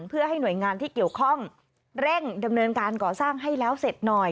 เพื่อให้หน่วยงานที่เกี่ยวข้องเร่งดำเนินการก่อสร้างให้แล้วเสร็จหน่อย